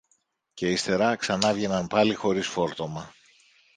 και ύστερα ξανάβγαιναν πάλι χωρίς φόρτωμα